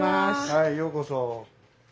はいようこそ。